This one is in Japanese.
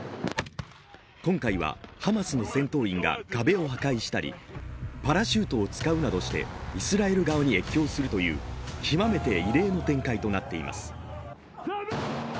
今回はハマスの戦闘員が壁を破壊したり、パラシュートを使うなどしてイスラエル側に越境するという極めて異例の展開となっています。